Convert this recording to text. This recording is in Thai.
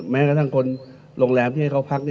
แม้กระทั่งคนโรงแรมที่ให้เขาพัก